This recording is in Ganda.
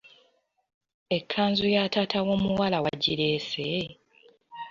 Ekkanzu ya taata w’omuwala wagireese?